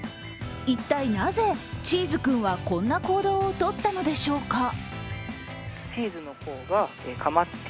一体、なぜ、チーズ君はこんな行動をとったのでしょうか。